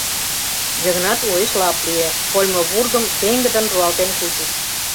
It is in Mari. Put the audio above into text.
Йыгнат уэш лап лие, кольмо вурдым пеҥгыдын руалтен кучыш.